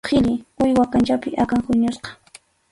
Qhilli, uywa kanchapi akan huñusqa.